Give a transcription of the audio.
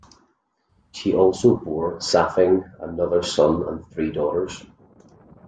She also bore Zaifeng another son and three daughters.